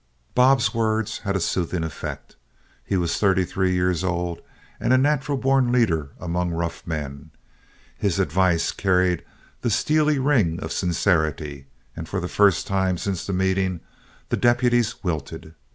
Bob's words had a soothing effect. He was thirty three years old and a natural born leader among rough men. His advice carried the steely ring of sincerity, and for the first time since the meeting, the deputies wilted.